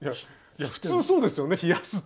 普通そうですよね。